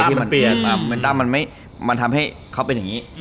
ใบตั้นมันทำให้เค้าเป็นอย่างนี้